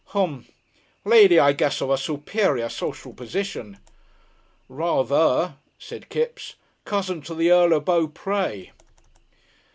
"H'm. Lady, I guess, of a superior social position?" "Rather," said Kipps. "Cousin to the Earl of Beauprés."